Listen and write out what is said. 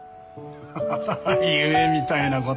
ハハハ夢みたいな事を。